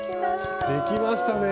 できましたね。